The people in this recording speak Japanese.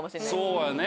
そうやね。